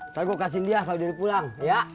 tapi gue kasihin dia kalau dia pulang ya